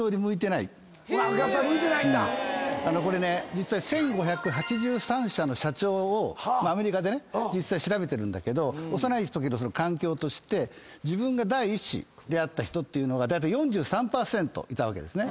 実は１，５８３社の社長をアメリカでね実際調べてるんだけど幼いときの環境として自分が第一子であった人っていうのがだいたい４３％いたわけですね。